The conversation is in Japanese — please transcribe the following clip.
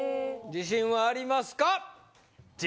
自信はありますか？